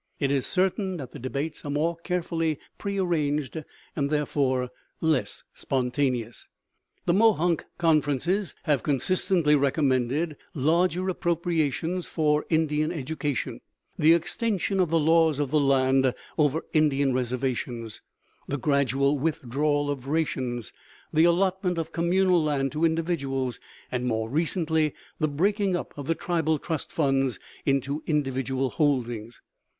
It is certain that the debates are more carefully pre arranged and therefore less spontaneous. The Mohonk Conferences have consistently recommended larger appropriations for Indian education; the extension of the laws of the land over Indian reservations; the gradual withdrawal of rations; the allotment of communal land to individuals, and more recently the breaking up of the tribal trust funds into individual holdings.